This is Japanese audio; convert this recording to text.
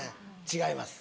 違います